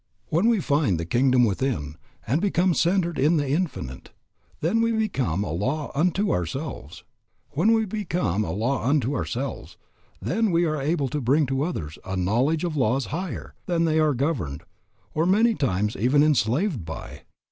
When we find the kingdom within and become centred in the Infinite, then we become a law unto ourselves. When we become a law unto ourselves, then we are able to bring others to a knowledge of laws higher than they are governed or many times even enslaved by.